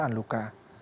tidak ada luka